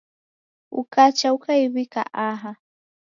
Ukacha ukaiw'ika aha